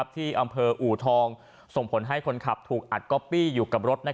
ที่อำเภออูทองส่งผลให้คนขับถูกอัดก๊อปปี้อยู่กับรถ